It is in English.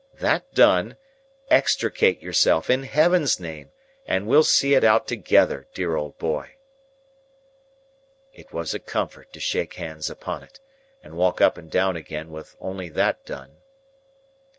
That done, extricate yourself, in Heaven's name, and we'll see it out together, dear old boy." It was a comfort to shake hands upon it, and walk up and down again, with only that done.